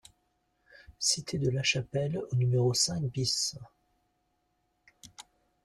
CITE DE LA CHAPELLE au numéro cinq BIS